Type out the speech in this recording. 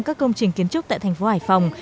các công trình kiến trúc tại thành phố hải phòng